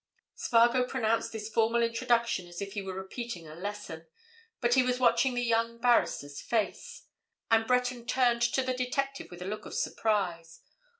Spargo pronounced this formal introduction as if he were repeating a lesson. But he was watching the young barrister's face. And Breton turned to the detective with a look of surprise.